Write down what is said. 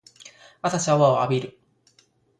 朝シャワーを浴びる